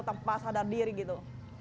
tanpa sadar diri gitu